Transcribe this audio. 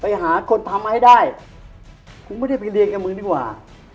ไปหาคนทำให้ได้กูไม่ได้ไปเรียงกับมือดีกว่า